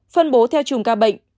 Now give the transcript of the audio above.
phân bố theo chùm ca bệnh